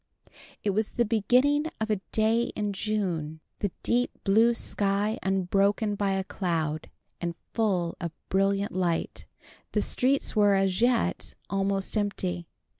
It was the beginning of a day in June, the deep blue sky unbroken by a cloud, and full of brilliant light. The streets were, as yet, almost empty.